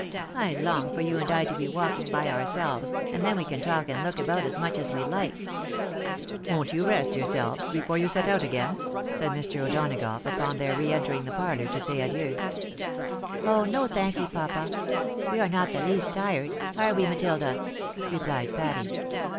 I long for you and I to be walking by ourselves, and then we can talk and look about as much as we like." " Won't you rest yourselves before you set out again ?" said Mr. O'Donagough, upon their re entering the parlovir to say adieu. " Oh no, thank ye, papa. We are not the least tired ; are we, Matilda ?" replied Patty.